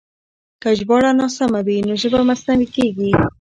که ژباړه ناسمه وي نو ژبه مصنوعي کېږي.